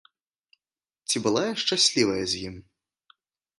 Ці была я шчаслівая з ім?